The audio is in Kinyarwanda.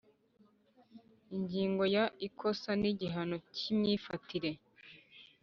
Ingingo ya Ikosa n igihano cy imyifatire